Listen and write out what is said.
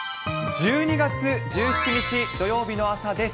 １２月１７日土曜日の朝です。